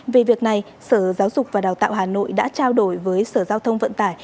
về việc này sở giáo dục và đào tạo hà nội đã trao đổi với sở giao thông vận tải